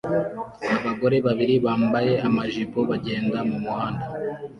Abagore babiri bambaye amajipo bagenda mumuhanda